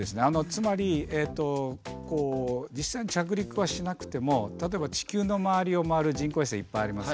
つまり実際に着陸はしなくても例えば地球の周りを回る人工衛星いっぱいありますよね。